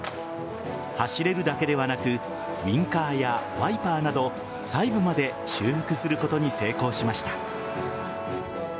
走れるだけではなくウインカーやワイパーなど細部まで修復することに成功しました。